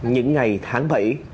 những ngày tháng ba